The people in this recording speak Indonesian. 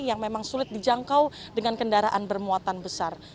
yang memang sulit dijangkau dengan kendaraan bermuatan besar